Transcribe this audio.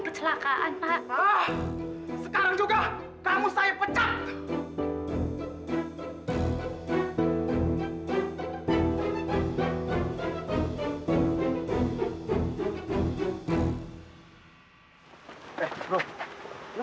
kamu tidak akan menang jika saya menang